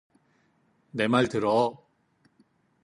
내 말 들어!